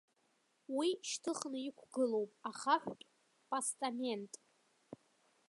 Уи шьҭыхны иқәгылоуп ахаҳәтә постамент.